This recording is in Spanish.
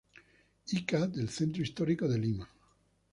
Ica del Centro Histórico de Lima.